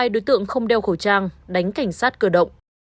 hai đối tượng không đeo khẩu trang đánh cảnh sát cơ động